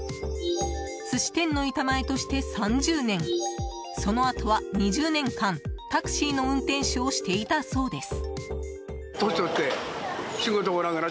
寿司店の板前として３０年そのあとは２０年間タクシーの運転手をしていたそうです。